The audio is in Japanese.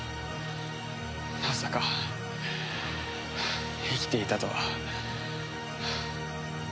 まさか生きていたとは。